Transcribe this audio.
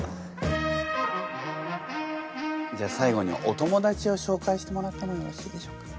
じゃあ最後にお友達をしょうかいしてもらってもよろしいでしょうか？